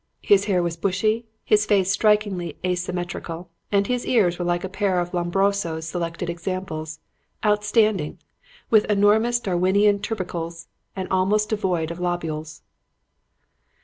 His hair was bushy, his face strikingly asymmetrical, and his ears were like a pair of Lombroso's selected examples; outstanding, with enormous Darwinian tubercles and almost devoid of lobules.